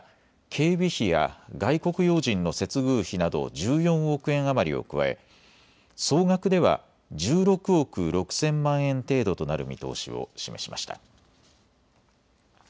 警備費や外国要人の接遇費など１４億円余りを加え総額では１６億６０００万円程度となる見通しを示しました。